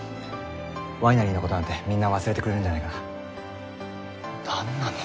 ワイナリーの事なんてみんな忘れてくれるんじゃないかな。